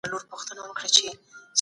د اوبو سرچینې د ابادۍ لپاره پکار دي.